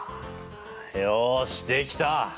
よしできた！